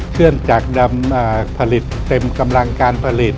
เครื่องจักรดำผลิตเต็มกำลังการผลิต